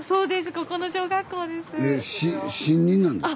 ここの小学校です。